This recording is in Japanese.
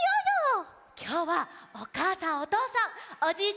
きょうはおかあさんおとうさんおじいちゃん